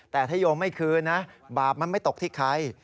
แต่ถ้าโยมไม่คืนนะบาปมันไม่ตกที่ใคร